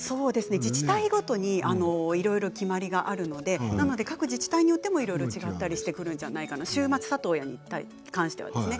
自治体ごとにいろいろ決まりがあるので、各自治体によってもいろいろ違ったりしてくるんじゃないかなと週末里親に関してはですね。